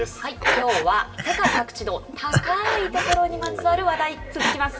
きょうは、世界各地の高い所にまつわる話題、続きます。